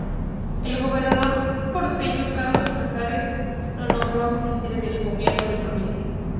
El gobernador porteño Carlos Casares lo nombró ministro de Gobierno de la provincia.